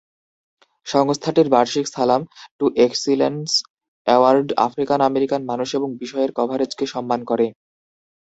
সংস্থাটির বার্ষিক সালাম টু এক্সিলেন্স অ্যাওয়ার্ড আফ্রিকান-আমেরিকান মানুষ এবং বিষয়ের কভারেজকে সম্মান করে।